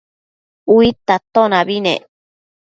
Uidta atonabi nec